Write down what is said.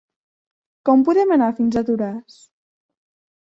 Com podem anar fins a Toràs?